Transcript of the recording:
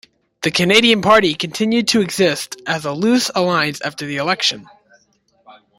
The Canadian Party continued to exist as a loose alliance after the election.